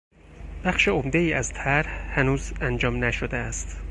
بخش عمدهای از طرح هنوز انجام نشده است.